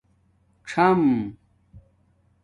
څم